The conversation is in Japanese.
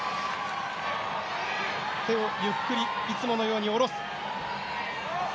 手をゆっくりいつものように下ろす。